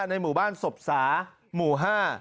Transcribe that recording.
ในหมู่บ้านสบสามู่ห้า